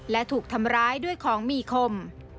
และถูกทำร้ายด้วยของมีคม